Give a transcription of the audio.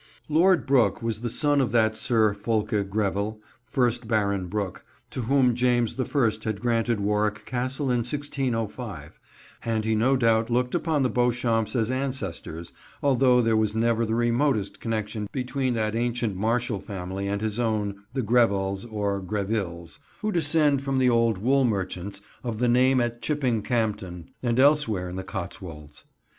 Lord Brooke was the son of that Sir Fulke Greville, first Baron Brooke, to whom James the First had granted Warwick Castle in 1605, and he no doubt looked upon the Beauchamps as ancestors, although there was never the remotest connection between that ancient martial family and his own, the Grevels, or Grevilles, who descend from the old wool merchants of the name at Chipping Campden and elsewhere in the Cotswolds.